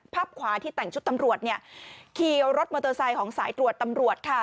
ภาพขวาที่แต่งชุดตำรวจเนี่ยขี่รถมอเตอร์ไซค์ของสายตรวจตำรวจค่ะ